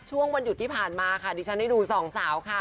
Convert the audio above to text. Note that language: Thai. วันหยุดที่ผ่านมาค่ะดิฉันได้ดูสองสาวค่ะ